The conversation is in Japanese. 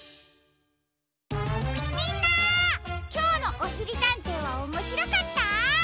みんなきょうの「おしりたんてい」はおもしろかった？